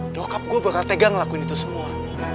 tuh gue bakal tegang ngelakuin itu semua